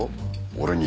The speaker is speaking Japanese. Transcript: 俺に。